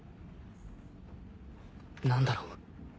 何だろう